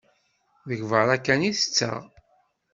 Deg berra kan i tetteɣ.